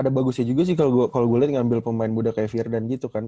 ada bagusnya juga sih kalau gue lihat ngambil pemain muda kayak virdan gitu kan